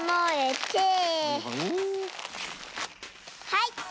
はい！